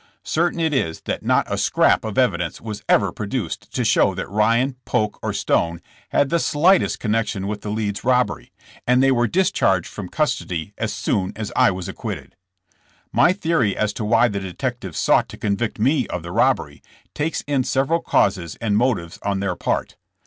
Certain it is that not a scrap of evidence was ever produced to show that Ryan, Polk or Stone had the slightest connection with the Leeds robbery, and they were discharged from custody as soon as I was acquitted. My theory as to why the detectives sought to convict me of the robbery, takes in several causes and motives on their part.